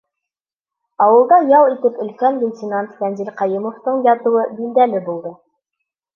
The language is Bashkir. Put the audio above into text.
Ауылда ял итеп өлкән лейтенант Фәнзил Ҡәйүмовтың ятыуы билдәле булды.